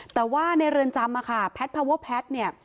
แต่ว่าในเรือนจำอะค่ะแพทย์พาเวอร์แพทย์เนี่ย